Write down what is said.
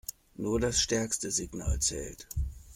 Nur das stärkste Signal zählt.